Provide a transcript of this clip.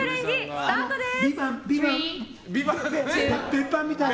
スタートです。